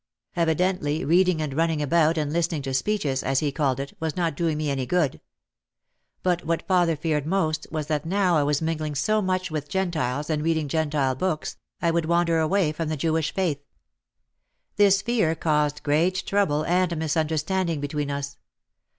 Evidently reading and running about and lis tening to "speeches," as he called it, was not doing me any good. But what father feared most was that now I was mingling so much with Gentiles and reading Gentile books, I would wander away from the Jewish faith. This fear caused great trouble and misunderstanding between us.